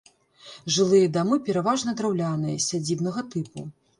Жылыя дамы пераважна драўляныя, сядзібнага тыпу.